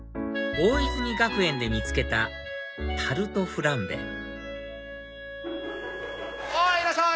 大泉学園で見つけたタルトフランベいらっしゃい！